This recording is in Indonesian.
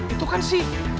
itu kan si